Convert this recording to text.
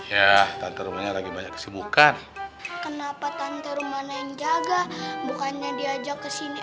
ya tante rumahnya lagi banyak kesibukan kenapa tante rumah yang jaga bukannya diajak ke sini